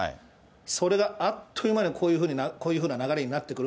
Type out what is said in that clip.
それがあっという間にこういうふうな流れになってくる。